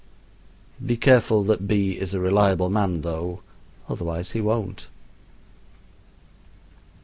Be careful that B is a reliable man, though, otherwise he won't.